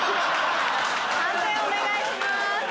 判定お願いします。